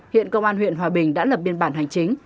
hiện công an huyện hòa bình đã lập biên bản hành chính